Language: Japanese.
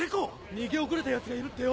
逃げ遅れたヤツがいるってよ